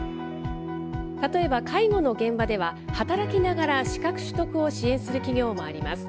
例えば、介護の現場では、働きながら資格取得を支援する企業もあります。